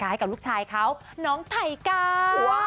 ให้กับลูกชายเขาน้องไทก้า